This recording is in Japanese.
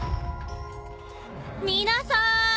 皆さーん。